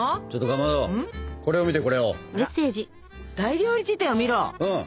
「大料理事典を見ろ！」。